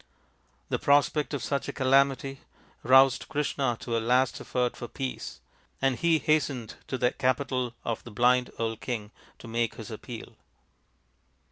The prospect of such a calamity roused Krishna to a last effort for peace, and he hastened to the capital of the blind old king to make his appeal.